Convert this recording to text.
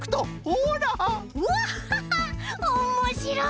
おもしろい！